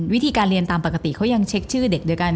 วิธีการเรียนตามปกติเขายังเช็คชื่อเด็กด้วยกัน